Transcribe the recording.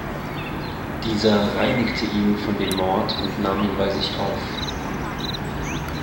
Dieser reinigte ihn von dem Mord und nahm ihn bei sich auf.